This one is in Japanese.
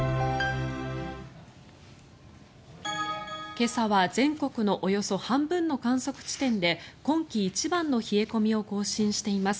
今朝は全国のおよそ半分の観測地点で今季一番の冷え込みを更新しています。